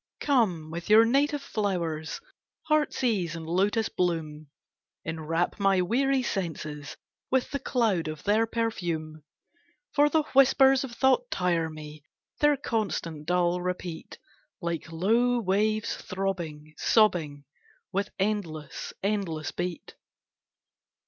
Come with your native flowers, Heartsease and lotus bloom, Enwrap my weary senses With the cloud of their perfume; For the whispers of thought tire me, Their constant, dull repeat, Like low waves throbbing, sobbing, With endless, endless beat.